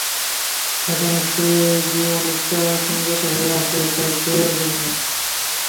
এখানে সে যে অনেকটা সংযত হইয়া আছে তা জয়ার জন্যই!